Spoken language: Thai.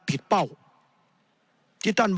ผิดเป้า